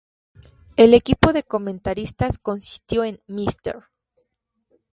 El equipo de comentaristas consistió en: Mr.